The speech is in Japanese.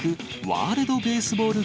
ワールドベースボール